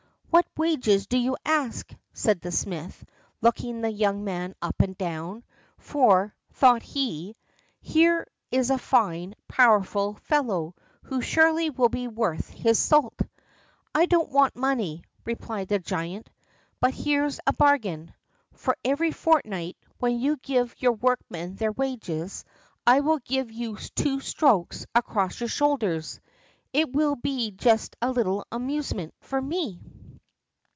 "What wages do you ask?" said the smith, looking the young man up and down; for, thought he: "Here is a fine, powerful fellow, who surely will be worth his salt." "I don't want money," replied the giant. "But here's a bargain: every fortnight, when you give your workmen their wages, I will give you two strokes across your shoulders. It will be just a little amusement for me."